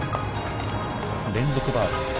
連続バーディー。